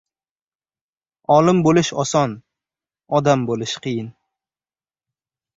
• Olim bo‘lish oson, odam bo‘lish qiyin.